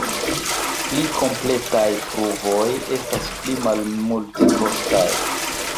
Pli kompletaj pruvoj estas pli malmultekostaj.